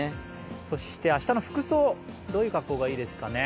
そして明日の服装、どういう格好がいいですかね。